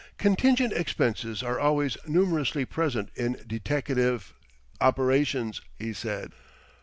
"Contingent expenses are always numerously present in deteckative operations," he said.